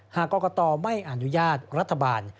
หากกรกตไม่อนุญาตรัฐบาล